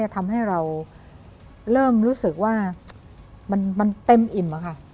ทำให้เราเริ่มรู้สึกว่ามันเต็มอิ่ม